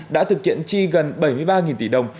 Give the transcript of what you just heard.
đã thực hiện chi gần bảy mươi ba thủ tục